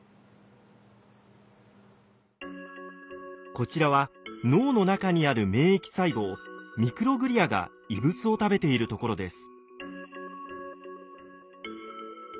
こちらは脳の中にある免疫細胞ミクログリアが異物を食べているところです。